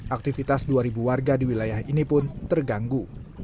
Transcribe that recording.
aktivitas dua warga di wilayah ini pun terganggu